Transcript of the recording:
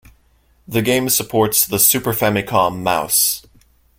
The game supports the Super Famicom Mouse.